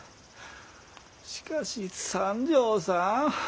しかし三条さん。